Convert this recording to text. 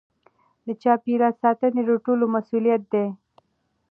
د چاپیریال ساتنه د ټولو مسؤلیت دی.